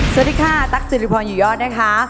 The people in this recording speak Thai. สวัสดีค่ะตั๊กสิริพรอยู่ยอดนะคะ